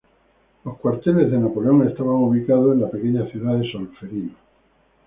Los cuarteles de Napoleón estaban ubicados en la pequeña ciudad de Solferino.